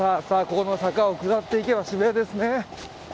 ここの坂を下っていけば渋谷ですね。